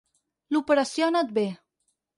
L'operació ha anat bé.